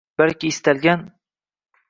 balki istalgan